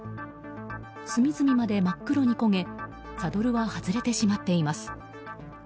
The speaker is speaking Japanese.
隅々まで真っ黒に焦げサドルは外れてしまっています。